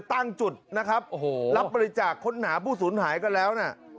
ตั้งจุดนะครับรับบริจาคค้นหาผู้สูญหายกันแล้วนะ